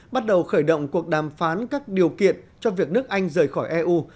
bắt đầu khởi động cuộc đàm phán các điều kiện cho việc nước anh rời khỏi eu